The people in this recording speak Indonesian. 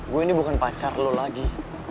gue ini bukan pacar lu lagi